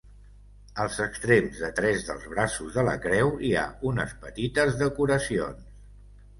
Als extrems de tres dels braços de la creu hi ha unes petites decoracions.